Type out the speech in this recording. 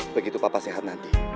begitu papa sehat nanti